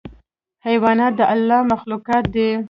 حیوانات د الله مخلوق دي.